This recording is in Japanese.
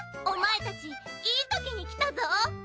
お前たちいいときに来たぞ！